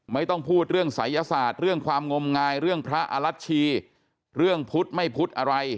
ไม่ต้องพูดเรื่องศัยศาสตร์เรื่องความงมงายเรื่องพระอรัชชีเรื่องพุทธไม่พุธอะไร